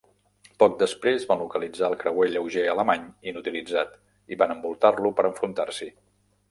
Poc després van localitzar el creuer lleuger alemany inutilitzat i van envoltar-lo per enfrontar-s'hi.